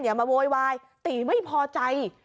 มาโวยวายตีไม่พอใจ